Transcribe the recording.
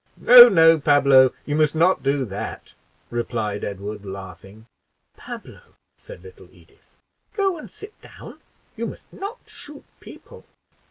"No, no, Pablo, you must not do that," replied Edward, laughing. "Pablo," said little Edith, "go and sit down; you must not shoot people."